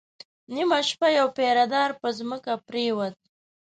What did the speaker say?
نيمه شپه يو پيره دار پر ځمکه پرېووت.